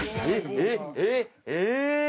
えっ！え！